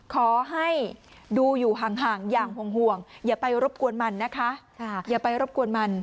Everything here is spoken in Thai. ขอให้ดูอยู่ห่างอย่างห่วงอย่าไปรบกวนมันนะคะ